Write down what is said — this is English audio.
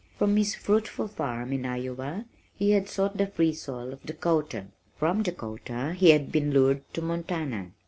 From his fruitful farm in Iowa he had sought the free soil of Dakota. From Dakota he had been lured to Montana.